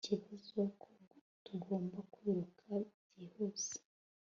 ikibazo ko tugomba kwiruka byihuse